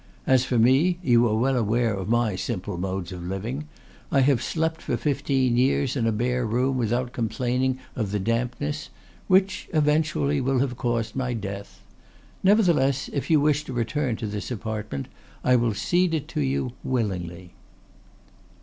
As for me, you are well aware of my simple modes of living. I have slept for fifteen years in a bare room without complaining of the dampness, which, eventually will have caused my death. Nevertheless, if you wish to return to this apartment I will cede it to you willingly."